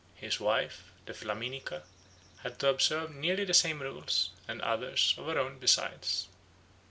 His wife, the Flaminica, had to observe nearly the same rules, and others of her own besides.